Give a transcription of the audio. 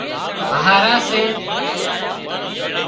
هاهرا سي